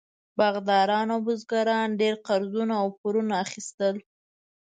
باغداران او بزګرانو ډېر قرضونه او پورونه اخیستل.